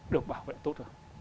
được bảo vệ tốt hơn